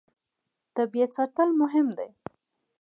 طبیعت ساتل مهم دي.